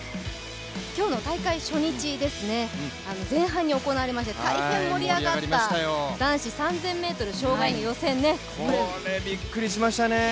今日の大会初日ですね、前半に行われまして大変盛り上がったこれ、びっくりしましたね。